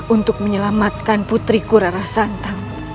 untuk menyelamatkan putriku rara santang